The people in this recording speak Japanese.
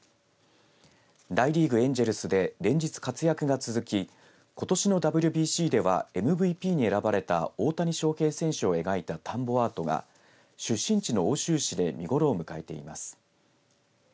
大リーグ、エンジェルスで連日、活躍が続きことしのＷＢＣではＭＶＰに選ばれた大谷翔平選手を描いた田んぼアートが出身地の奥州市で見頃を迎えています。